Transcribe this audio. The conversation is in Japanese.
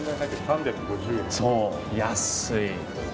そう、安い。